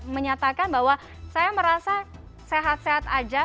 menyatakan bahwa saya merasa sehat sehat aja